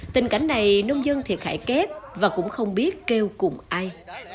tình cảnh này nông dân thiệt hại kép và cũng không biết kêu cùng ai